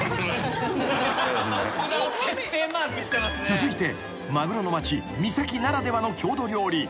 ［続いてマグロの町三崎ならではの郷土料理］